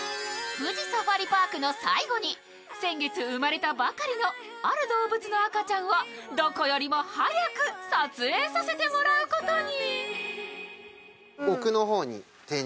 富士サファリパークの最後に先月生まれたばかりのある動物の赤ちゃんをどこよりも早く撮影させてもらうことに。